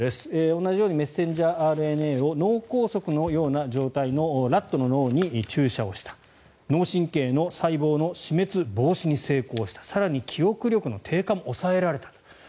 同じようにメッセンジャーＲＮＡを脳梗塞のような状態のラットの脳に注射した脳神経の細胞の死滅防止に成功した更に、記憶力の低下も抑えられた。